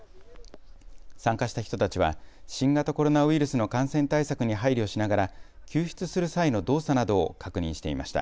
参加した人たちは新型コロナウイルスの感染対策に配慮しながら救出する際の動作などを確認していました。